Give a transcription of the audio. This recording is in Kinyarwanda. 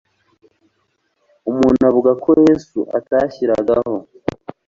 umuntu avuga ko yesu atashyiragaho